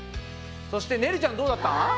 そしてねるちゃんどうだった？